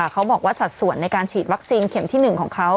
เขาบอกว่าสัดส่วนในการฉีดวัคซีนเข็มที่๑ของเขา